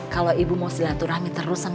kalau ibu mau sedia turami terus sama raya